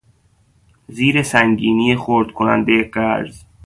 زیر سنگینی خرد کنندهی قرض